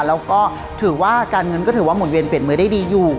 แล้วก็ถือว่าการเงินก็ถือว่าหุ่นเวียนเปลี่ยนมือได้ดีอยู่